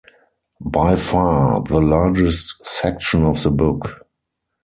By far the largest section of the book.